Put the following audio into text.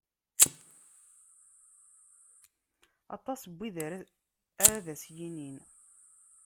Aṭas n wid ara d as-yinin.